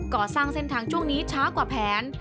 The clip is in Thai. ก่อสร้างเส้นทางช่วงนี้ช้ากว่าแผน